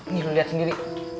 nih lo liat sendiri